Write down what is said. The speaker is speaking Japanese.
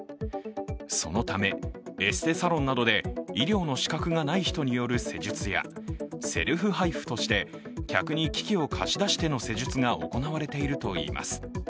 そのため、エステサロンなどで医療の資格がない人の施術やセルフＨＩＦＵとして客に機器を貸し出しての施術が行われているといいます。